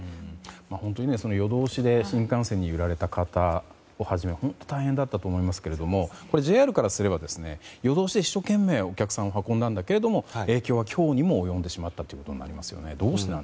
本当に夜通しで新幹線に揺られた方をはじめ本当、大変だったと思いますけれどもこれはＪＲからすれば夜通しで一生懸命お客さんを運んだんだけども影響が今日にも及んでしまったことになりますよね。